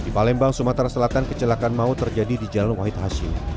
di palembang sumatera selatan kecelakaan maut terjadi di jalan wahid hashim